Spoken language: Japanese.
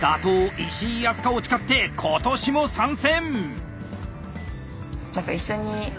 石井あすかを誓って今年も参戦！